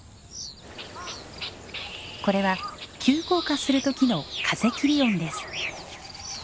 これは急降下する時の風切り音です。